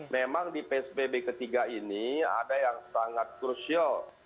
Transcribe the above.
memang di psbb ketiga ini ada yang sangat krusial